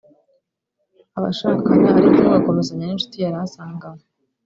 abashakana ariko umwe agakomezanya n’inshuti yari asanganywe